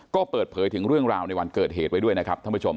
ก็เปิดเผยถึงเรื่องราวในวันเกิดเหตุไว้ด้วยนะครับท่านผู้ชม